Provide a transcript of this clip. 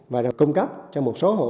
và cung cấp cho một số hộ